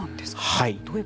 はい。